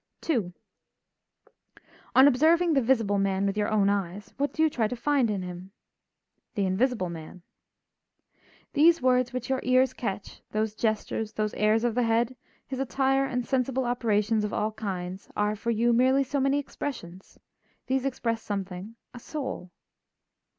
II On observing the visible man with your own eyes what do you try to find in him? The invisible man. These words which your ears catch, those gestures, those airs of the head, his attire and sensible operations of all kinds, are, for you, merely so many expressions; these express something, a soul.